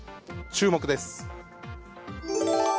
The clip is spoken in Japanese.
注目です。